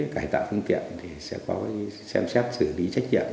cải tạo phương tiện thì sẽ có xem xét xử lý trách nhiệm